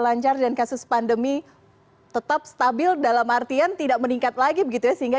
lancar dan kasus pandemi tetap stabil dalam artian tidak meningkat lagi begitu ya sehingga